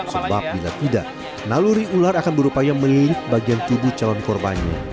sebab bila tidak naluri ular akan berupaya melilit bagian tubuh calon korbannya